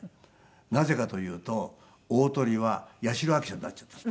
なぜかというと大トリは八代亜紀さんになっちゃったんです。